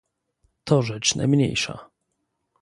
"To rzecz najmniejsza."